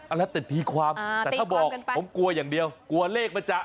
แล้วแต่ทีความแต่ถ้าบอกผมกลัวอย่างเดียวกลัวเลขมันจะ